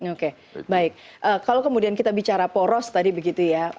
oke baik kalau kemudian kita bicara poros tadi begitu ya